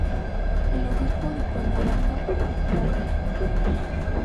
El Obispo de Cuernavaca Mons.